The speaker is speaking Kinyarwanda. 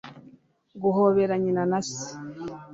guhobera nyina na se